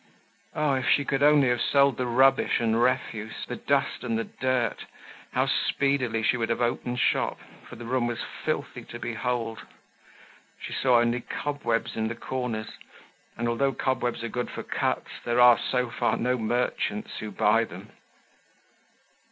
Oh! if she could only have sold the rubbish and refuse, the dust and the dirt, how speedily she would have opened shop, for the room was filthy to behold! She only saw cobwebs in the corners and although cobwebs are good for cuts, there are, so far, no merchants who buy them.